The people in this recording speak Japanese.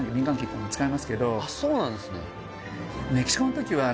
普通のそうなんですね